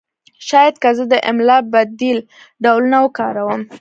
شاید که زه د املا بدیل ډولونه وکاروم